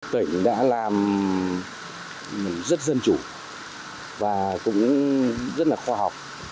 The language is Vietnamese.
tỉnh đã làm rất dân chủ và cũng rất là khoa học